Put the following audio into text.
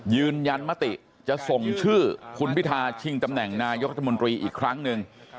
ยืนยันมติจะส่งชื่อคุณพิทาชิงตำแหน่งนายกรัฐมนตรีอีกครั้งหนึ่ง